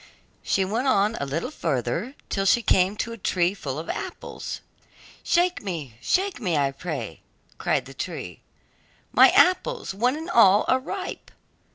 She went on a little farther, till she came to a tree full of apples. 'Shake me, shake me, I pray,' cried the tree; 'my apples, one and all, are ripe.